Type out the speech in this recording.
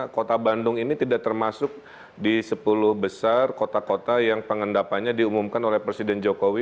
kota bandung ini tidak termasuk di sepuluh besar kota kota yang pengendapannya diumumkan oleh presiden jokowi